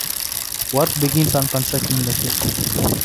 Work begins on constructing the ship.